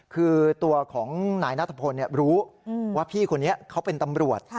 คือตัวของนายนัทพลรู้ว่าพี่คนนี้เขาเป็นตำรวจ